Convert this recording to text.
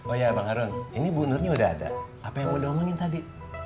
oh iya bang harun ini bunurnya udah ada apa yang udah omongin tadi